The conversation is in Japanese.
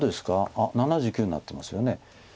あっ７９になってますよね。